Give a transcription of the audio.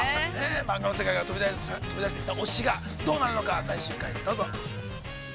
◆漫画の世界から飛び出してきた推しがどうなるのか、最終回どうぞ。